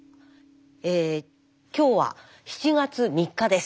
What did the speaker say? え今日は７月３日です。